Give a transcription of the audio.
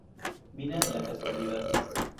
Mina La Casualidad